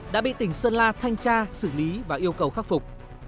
đã bị tỉnh sơn la thanh tra xử lý và yêu cầu khắc phục